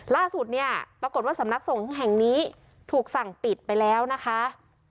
ล่าสุดเนี่ยปรากฏว่าสำนักสงฆ์แห่งนี้ถูกสั่งปิดไปแล้วนะคะ